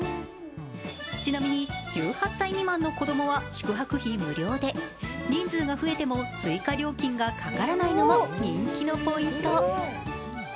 ちなみに１８歳未満の子供は宿泊費無料で人数が増えても追加料金がかからないのも人気のポイント。